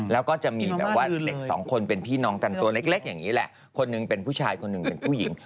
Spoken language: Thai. แล้วก็จะมีแบบว่าเด็กสองคนเป็นพี่น้องกันตัวเล็กอย่างนี้แหละคนหนึ่งเป็นผู้ชายคนหนึ่งเป็นผู้หญิง